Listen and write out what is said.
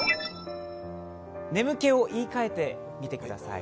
眠気を言い換えてみてください。